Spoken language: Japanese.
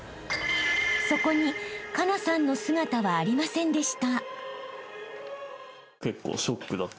［そこに佳那さんの姿はありませんでした］